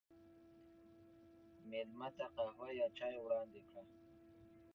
مېلمه ته قهوه یا چای وړاندې کړه.